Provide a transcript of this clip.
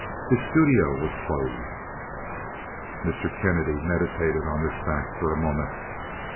His studio was closed. Mr. Kennedy meditated on this fact for a moment.